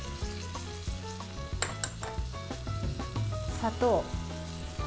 砂糖。